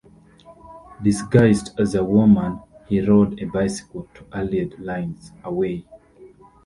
Disguised as a woman, he rode a bicycle to Allied lines away.